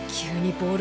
ボール！